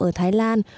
ở thái lan